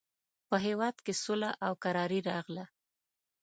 په هېواد کې سوله او کراري راغله.